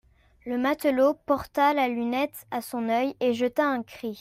Le matelot porta la lunette à son oeil, et jeta un cri.